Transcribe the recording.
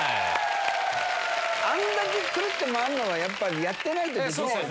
あんだけくるって回るのは、やっぱりやってないとできないよね。